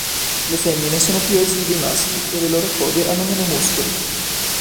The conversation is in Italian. Le femmine sono più esili dei maschi, e le loro code hanno meno muscoli.